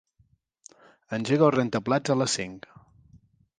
Engega el rentaplats a les cinc.